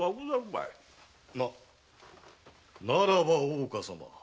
ならば大岡様。